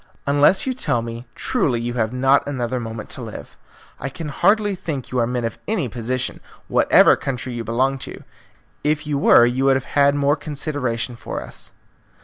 Unless you tell me truly you have not another moment to live. I can hardly think you are men of any position, whatever country you belong to. If you were, you would have had more consideration for us."